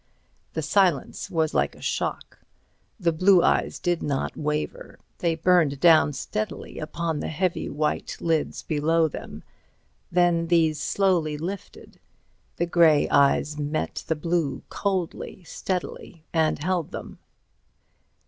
The silence was like a shock. The blue eyes did not waver; they burned down steadily upon the heavy white lids below them. Then these slowly lifted; the grey eyes met the blue—coldly, steadily—and held them.